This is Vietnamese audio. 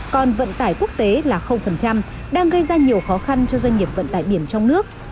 còn vận tải quốc tế là đang gây ra nhiều khó khăn cho doanh nghiệp vận tải biển trong nước